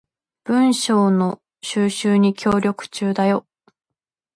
文章の収集に協力中だよ